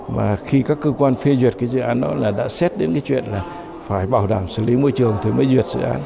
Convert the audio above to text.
và khi các cơ quan phê duyệt cái dự án đó là đã xét đến cái chuyện là phải bảo đảm xử lý môi trường thì mới duyệt dự án